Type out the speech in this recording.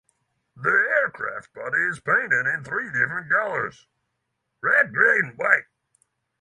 The aircraft body is painted in three different colors red, grey and white.